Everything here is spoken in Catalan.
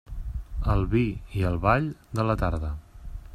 Al vi i al ball, de la tarda.